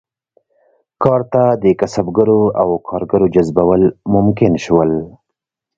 کار ته د کسبګرو او کارګرو جذبول ممکن شول.